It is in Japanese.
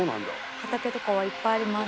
畑とかはいっぱいあります